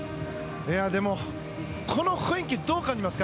でも、この雰囲気どう感じますか？